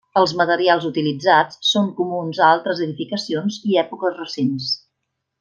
Els materials utilitzats són comuns a altres edificacions i èpoques recents.